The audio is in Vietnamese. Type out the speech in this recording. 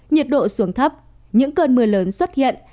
nhiệt độ xuống thấp những cơn mưa lớn xuất hiện